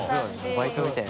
バイトみたいに。